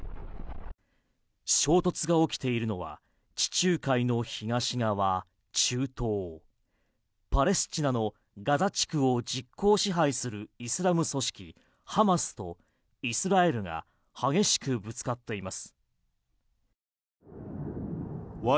衝突が起きているのは地中海の東側パレスチナのガザ地区を実効支配するイスラム組織ハマスとイスラエルが激しくぶつかっています。